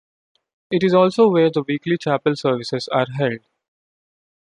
It is also where the weekly Chapel services are held.